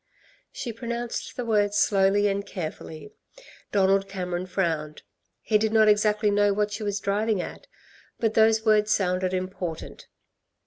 '" She pronounced the words slowly and carefully; Donald Cameron frowned. He did not exactly know what she was driving at, but those words sounded important.